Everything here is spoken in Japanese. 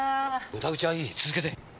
無駄口はいい続けて。